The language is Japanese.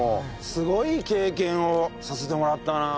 すごい経験をさせてもらったなあ。